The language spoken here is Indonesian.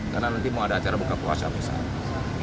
karena nanti mau ada acara buka puasa misalnya